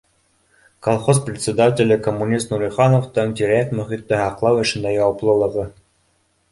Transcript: — Колхоз председателе коммунист Нурихановтың тирә- яҡ мөхитте һаҡлау эшендә яуаплылығы